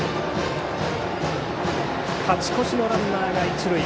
勝ち越しのランナーが一塁。